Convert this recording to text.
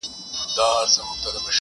مړ يمه هغه وخت به تاته سجده وکړمه~